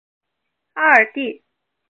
阿尔蒂。